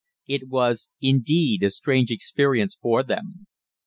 It was, indeed, a strange experience for them.